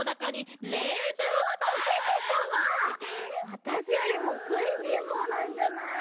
わたしよりもくいしんぼうなんじゃない？